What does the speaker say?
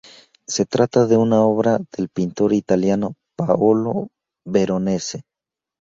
Se trata de una obra del pintor italiano Paolo Veronese.